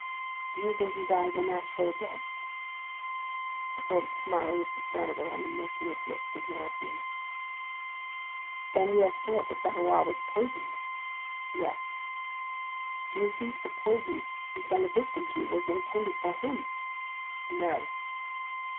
"Do you think he died a natural death?" A sort of smile was discernible on the motionless lips of Noirtier. "Then you have thought that Barrois was poisoned?" "Yes." "Do you think the poison he fell a victim to was intended for him?" "No."